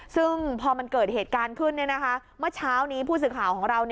ซึ่งพอมันเกิดเหตุการณ์ขึ้นเมื่อเช้านี้ผู้สื่อข่าวของเรา